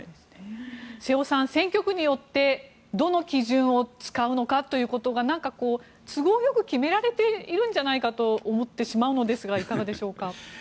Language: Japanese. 瀬尾さん、選挙区によってどの基準を使うのかということで都合よく決められているのではないかと思ってしまうんですがいかがでしょうか。